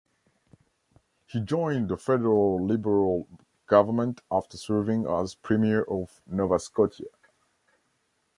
He joined the federal Liberal government after serving as premier of Nova Scotia.